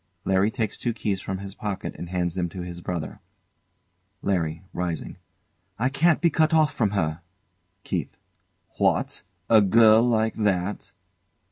LARRY takes two keys from his pocket and hands them to his brother. LARRY. [Rising] I can't be cut off from her! KEITH. What! A girl like that?